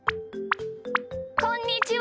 こんにちは。